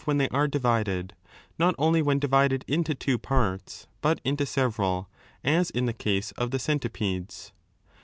when they are divided, not only when divided into two parts, but into several, as in the case of the centi pedes.